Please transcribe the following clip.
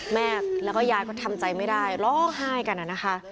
มีคุณครูนัทยาค่ะคุณครูที่เป็นหัวหน้าระดับชั้นม๑๓